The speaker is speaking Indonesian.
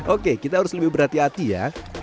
oke kita harus lebih berhati hati ya